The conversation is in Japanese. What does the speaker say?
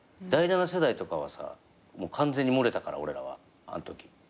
第７世代とかはさもう完全に漏れたから俺らはあんとき。